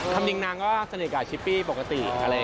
จริงนางก็สนิทกับชิปปี้ปกติ